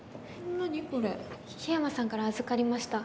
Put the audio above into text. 桧山さんから預かりました。